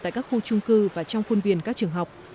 tại các khu trung cư và trong khuôn viên các trường học